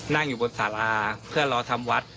นั่งอยู่บนสาราเพื่อรอทำวัด